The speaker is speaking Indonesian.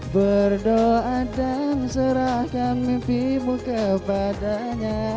berdoa dan serahkan mimpimu kepadanya